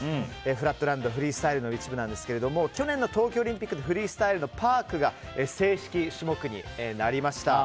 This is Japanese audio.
フラットランドフリースタイルの一部なんですが去年の東京オリンピックでパークが正式種目になりました。